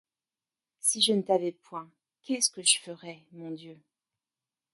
Si je ne t’avais point, qu’est-ce que je ferais, Mon Dieu !